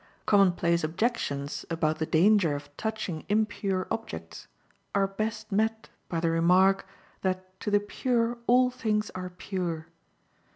Commonplace objections about the danger of touching impure objects are best met by the remark that to the pure all things are pure.